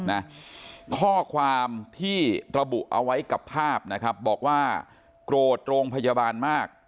นะข้อความที่ระบุเอาไว้กับภาพนะครับบอกว่าโกรธโรงพยาบาลมาก